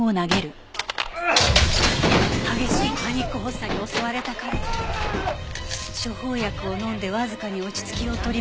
激しいパニック発作に襲われた彼は処方薬を飲んでわずかに落ち着きを取り戻したものの。